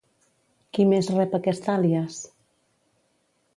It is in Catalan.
Qui més rep aquest àlies?